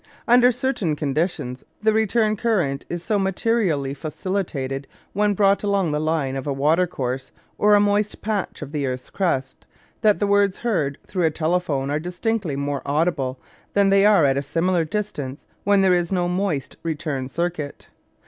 Under certain conditions the return current is so materially facilitated when brought along the line of a watercourse or a moist patch of the earth's crust, that the words heard through a telephone are distinctly more audible than they are at a similar distance when there is no moist return circuit.